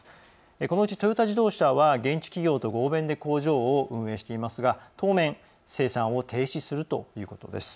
このうち、トヨタ自動車は現地企業と合弁で工場を運営していますが当面、生産を停止するということです。